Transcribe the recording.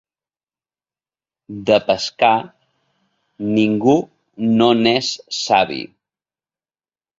De pescar, ningú no n'és savi.